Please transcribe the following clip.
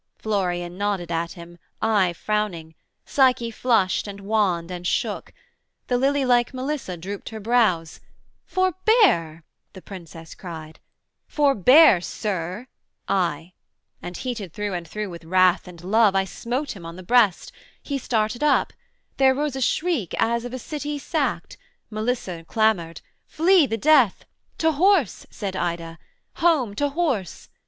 Florian nodded at him, I frowning; Psyche flushed and wanned and shook; The lilylike Melissa drooped her brows; 'Forbear,' the Princess cried; 'Forbear, Sir' I; And heated through and through with wrath and love, I smote him on the breast; he started up; There rose a shriek as of a city sacked; Melissa clamoured 'Flee the death;' 'To horse' Said Ida; 'home! to horse!'